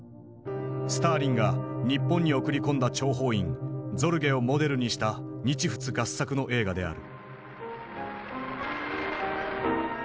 スターリンが日本に送り込んだ諜報員ゾルゲをモデルにした日仏合作の映画である。